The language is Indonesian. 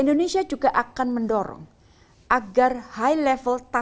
indonesia juga akan mendorong perkembangan asean outlook on the indo pasifik dengan negara mitra